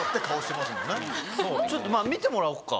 ちょっと見てもらおっか。